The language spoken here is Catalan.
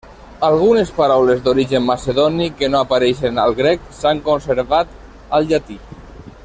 Algunes paraules d'origen macedoni que no apareixen al grec s'han conservat al llatí.